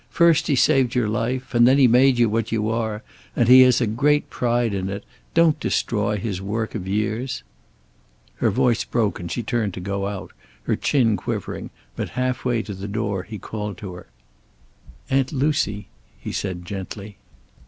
First he saved your life, and then he made you what you are. And he has had a great pride in it. Don't destroy his work of years." Her voice broke and she turned to go out, her chin quivering, but half way to the door he called to her. "Aunt Lucy " he said gently.